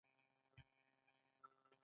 ژبه خوځېدونکې ده.